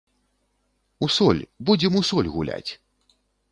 У соль, будзем у соль гуляць!